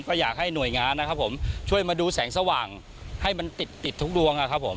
ก็อยากให้หน่วยงานนะครับผมช่วยมาดูแสงสว่างให้มันติดติดทุกดวงนะครับผม